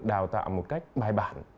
đào tạo một cách bài bản